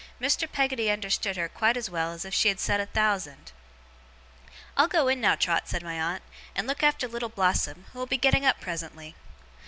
Mr. Peggotty understood her quite as well as if she had said a thousand. 'I'll go in now, Trot,' said my aunt, 'and look after Little Blossom, who will be getting up presently.